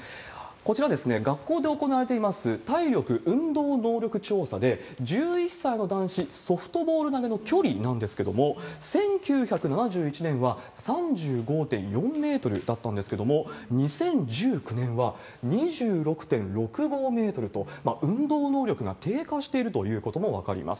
こちら、学校で行われています体力運動能力調査で、１１歳の男子ソフトボール投げの距離なんですけれども、１９７１年は３５．４メートルだったんですけれども、２０１９年は２６．６５メートルと、運動能力が低下しているということも分かります。